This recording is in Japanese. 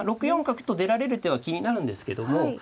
６四角と出られる手は気になるんですけども。